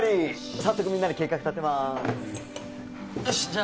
早速みんなで計画立てまーすよしじゃあ